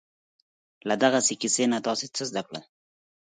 له دغې کیسې نه تاسې څه زده کړل؟